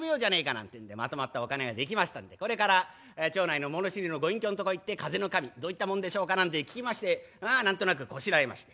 なんてんでまとまったお金が出来ましたんでこれから町内の物知りのご隠居んとこ行って「風の神どういったもんでしょうか？」なんて聞きましてまあ何となくこしらえまして。